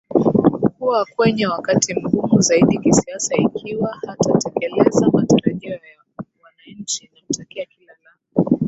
kuwa kwenye wakati mgumu zaidi kisiasa ikiwa hatatekeleza matarajio ya wananchi Namtakia kila la